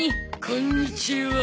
こんにちは。